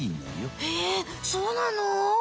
へえそうなの？